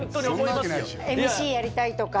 ＭＣやりたいとか？